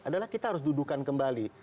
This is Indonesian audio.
adalah kita harus dudukan kembali